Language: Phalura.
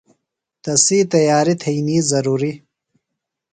تسی تیاریۡ تھئینیۡ ضرُوری۔